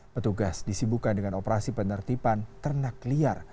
petugas disibukan dengan operasi penertiban ternak liar